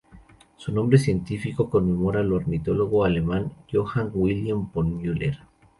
Su nombre científico conmemora al ornitólogo alemán Johann Wilhelm von Müller.